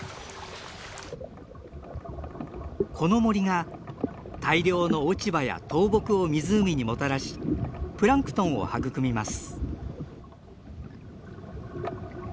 この森が大量の落ち葉や倒木を湖にもたらしプランクトンを育みます。